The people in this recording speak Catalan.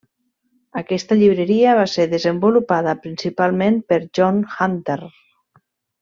Aquesta llibreria va ser desenvolupada principalment per John Hunter.